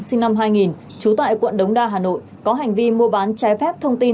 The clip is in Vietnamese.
sinh năm hai nghìn trú tại quận đống đa hà nội có hành vi mua bán trái phép thông tin